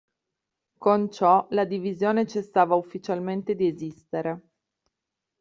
Con ciò, la divisione cessava ufficialmente di esistere.